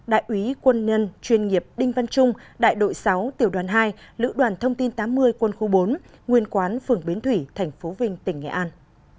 một mươi đại ủy quân nhân chuyên nghiệp đinh văn trung đại đội sáu tiểu đoàn hai lữ đoàn thông tin tám mươi quân khu bốn nguyên quán phường biến thủy thành phố vinh tỉnh nghệ an